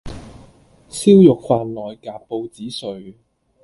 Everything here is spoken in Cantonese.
燒肉飯內夾報紙碎